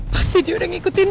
pasti dia udah ngikutin